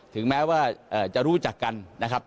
ถึงแม้ว่าจะรู้จักกันนะครับ